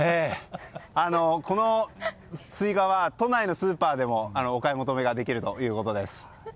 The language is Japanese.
このスイカは都内のスーパーでもお買い求めができるということです。